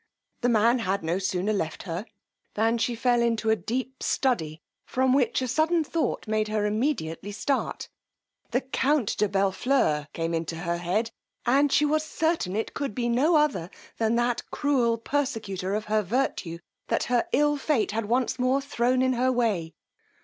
This man had no sooner left her than she fell into a deep study, from which a sudden thought made her immediately start: the count de Bellfleur came into her head; and she was certain it could be no other than that cruel persecutor of her virtue, that her ill fate had once more thrown in her way.